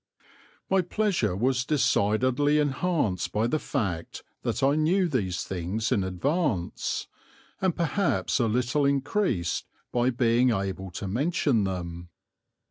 My pleasure was decidedly enhanced by the fact that I knew these things in advance, and perhaps a little increased by being able to mention them.